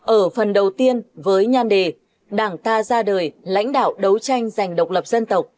ở phần đầu tiên với nhan đề đảng ta ra đời lãnh đạo đấu tranh giành độc lập dân tộc